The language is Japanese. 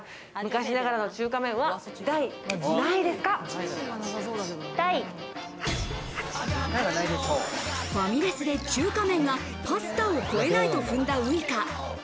「昔ながファミレスで中華麺がパスタを超えないと踏んだウイカ。